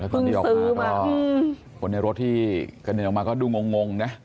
ตอนที่ออกมาก็คนในรถที่กระเด็นออกมาก็ดูงงนะ